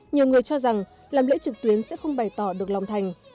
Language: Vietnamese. nhiều người cho rằng làm lễ trực tuyến sẽ không bày tỏ được lòng thành